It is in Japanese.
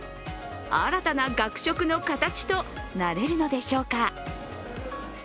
新たな学食の形となれるのでしょうか。